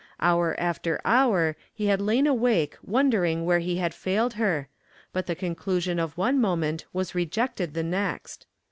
Hour after hour he had lain awake wondering where he had failed her, but the conclusion of one moment was rejected the next.